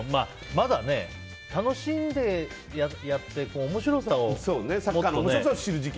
まだ楽しんでやって面白さをね。